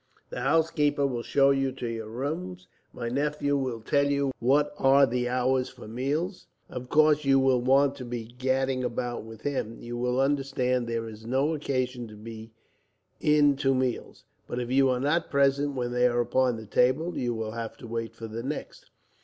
The housekeeper will show you to your rooms. My nephew will tell you what are the hours for meals. Of course, you will want to be gadding about with him. You will understand that there is no occasion to be in to meals; but if you are not present when they are upon the table, you will have to wait for the next.